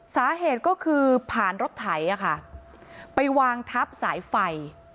สาเหตุก็คือผ่านรถไถไปวางทับสายไฟ